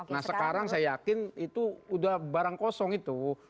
nah sekarang saya yakin itu udah barang kosong itu